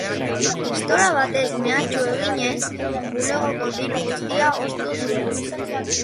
Pistola batez mehatxu eginez, bulegoko diru guztia ostu zuen.